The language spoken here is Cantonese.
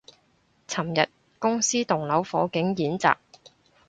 尋日公司棟樓火警演習